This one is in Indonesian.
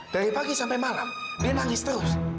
dari pagi sampai malam dia nangis terus